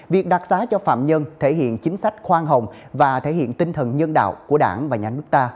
việc đặc xá cho phạm nhân thể hiện chính sách khoan hồng và thể hiện tinh thần nhân đạo của đảng và nhà nước ta